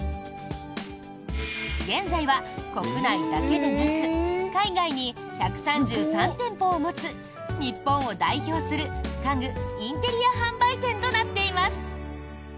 現在は国内だけでなく海外に１３３店舗を持つ日本を代表する家具・インテリア販売店となっています。